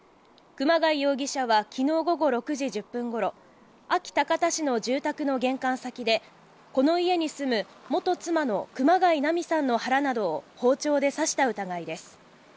熊谷容疑者は昨日午後６時１０分頃、安芸高田市の住宅の玄関先で、この家に住む元妻の熊谷菜美さんの腹などを包丁で刺した疑いです。